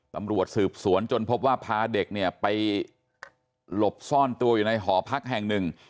ตำรวจสืบสวนจนพบว่าพาเด็กเนี่ยไปหลบซ่อนตัวอยู่ในหอพักแห่งหนึ่ง